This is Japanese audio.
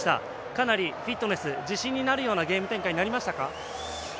かなりフィットネス自信になるようなゲーム展開になりましたか？